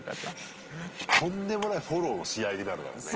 とんでもないフォローのし合いになるだろうね。